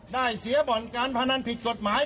ได้เสียบ่อนการพนันผิดกฎหมาย